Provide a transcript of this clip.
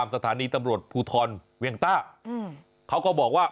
สถานีตำรวจผูทรเวียงต้า